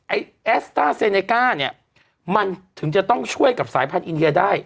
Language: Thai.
ไอ้แอสต้าเซเนก้าเนี่ยมันถึงจะต้องช่วยกับสายพันธุอินเดียได้